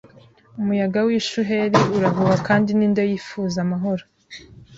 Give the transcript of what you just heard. Umuyaga w'ishuheri urahuha kandi ni nde yifuza amahoro